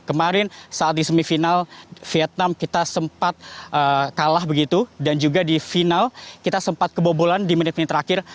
kemarin saat di semifinal vietnam kita sempat kalah begitu dan juga di final kita sempat kebobolan di menit menit terakhir